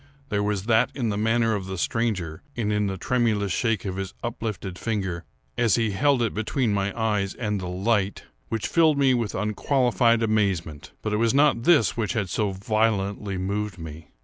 There was that in the manner of the stranger, and in the tremulous shake of his uplifted finger, as he held it between my eyes and the light, which filled me with unqualified amazement; but it was not this which had so violently moved me.